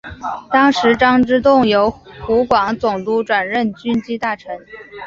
当时张之洞由湖广总督转任军机大臣。